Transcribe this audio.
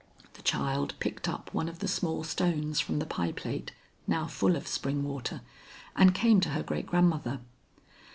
The child picked up one of the small stones from the pie plate now full of spring water, and came to her great grandmother.